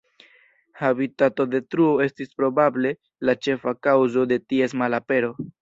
Habitatodetruo estis probable la ĉefa kaŭzo de ties malapero.